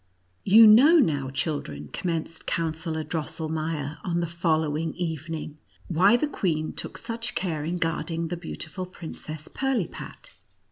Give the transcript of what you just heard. You know now, children, commenced Coun sellor Drosselmeier, on the following even ing, why the queen took such care in guarding the beautiful Princess Pirlipat.